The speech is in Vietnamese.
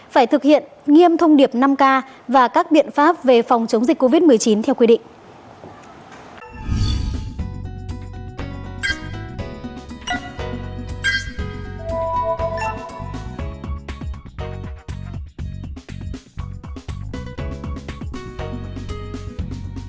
phải thực hiện nghiêm thông điệp năm k và các biện pháp về phòng chống dịch covid một mươi chín theo quy định